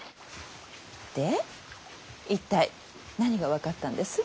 で一体何が分かったんです？